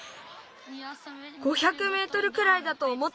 ５００メートルくらいだとおもってました。